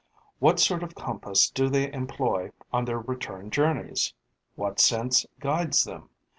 What sort of compass do they employ on their return journeys? What sense guides them?